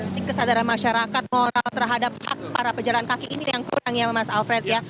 jadi kesadaran masyarakat moral terhadap hak para pejalan kaki ini yang kurang ya mas alfred ya